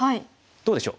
どうでしょう？